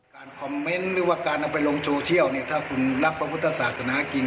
คอมเมนต์หรือว่าการเอาไปลงโซเชียลเนี่ยถ้าคุณรักพระพุทธศาสนาจริง